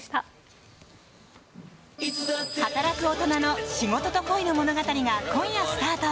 働く大人の仕事と恋の物語が今夜スタート。